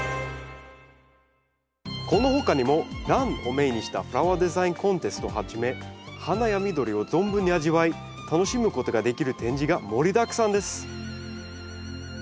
この他にもランをメインにしたフラワーデザインコンテストをはじめ花や緑を存分に味わい楽しむことができる展示が盛りだくさんです